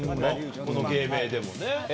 この芸名でもね。